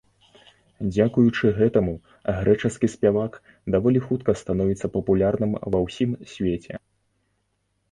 Дзякуючы гэтаму, грэчаскі спявак даволі хутка становіцца папулярным ва ўсім свеце.